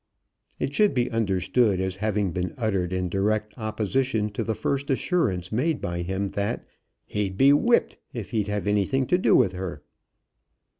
It should be understood as having been uttered in direct opposition to the first assurance made by him, that "He'd be whipped if he'd have anything to do with her."